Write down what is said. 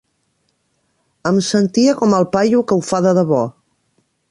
Em sentia com el paio que ho fa de debò.